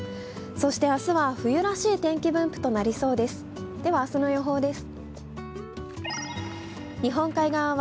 そして明日は冬らしい天気分布となりそうです。